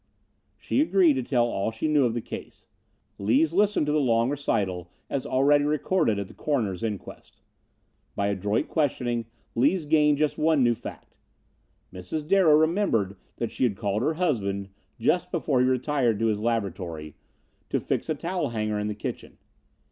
She agreed to tell all she knew of the case. Lees listened to the long recital as already recorded at the coroner's inquest. By adroit questioning Lees gained just one new fact. Mrs. Darrow remembered that she had called her husband, just before he retired to his laboratory, to fix a towel hanger in the kitchen.